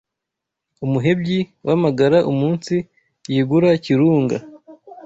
Umuhebyi w’amagara Umunsi yigura Kirunga